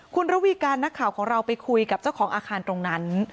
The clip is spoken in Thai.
คุณระวีการนักข่าวของเราไปคุยกับเจ้าของอาคารตรงนั้น